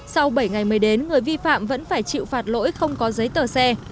sau bảy ngày mới đến người vi phạm vẫn phải chịu phạt lỗi không có giấy tờ xe